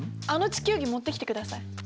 あの地球儀持ってきてください！